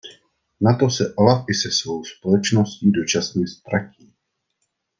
Nato se Olaf i se svou společností dočasně ztratí.